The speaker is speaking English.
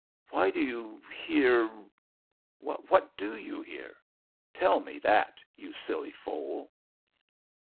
Why do you hear what you do hear? Tell me that, you silly foal!"